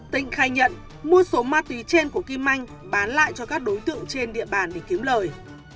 tịnh khai nhận mua số ma túy trên của kim anh bán lại cho các đối tượng trên địa bàn để kiếm lời